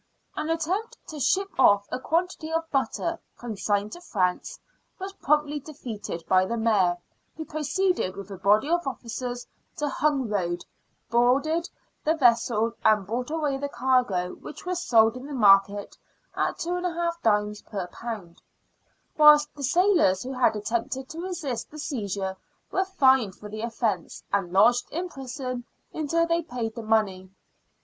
An attempt to ship off a quantity of butter, consigned to France, was promptly defeated by the Mayor, who pro ceeded with a body of officers to Hungroad, boarded the vessel, and brought away the cargo, which was sold in the market at 2|d. per pound, whilst the sailors who had attempted to resist the seizure were fined for the offence, and lodged in prison until they paid the money.